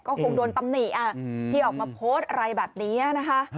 ก็คงโดนตำหนิที่ออกมาโพสต์อะไรแบบนี้นะคะ